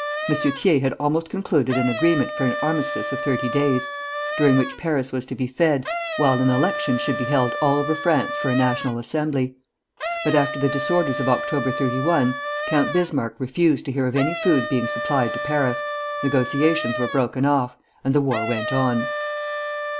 M. Thiers had almost concluded an agreement for an armistice of thirty days, during which Paris was to be fed, while an election should be held all over France for a National Assembly; but after the disorders of October 31, Count Bismarck refused to hear of any food being supplied to Paris, negotiations were broken off, and the war went on.